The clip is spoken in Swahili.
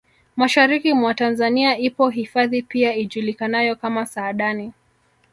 Mashariki mwa Tanzania ipo hifadhi pia ijulikanayo kama Saadani